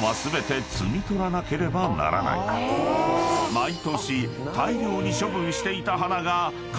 ［毎年大量に処分していた花がかわいそう］